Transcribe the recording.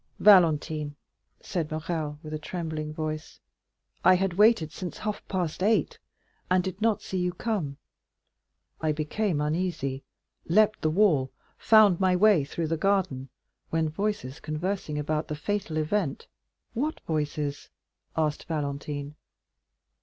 "Valentine," said Morrel with a trembling voice, "I had waited since half past eight, and did not see you come; I became uneasy, leaped the wall, found my way through the garden, when voices conversing about the fatal event——" "What voices?" asked Valentine.